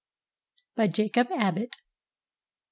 ] BY JACOB ABBOTT [.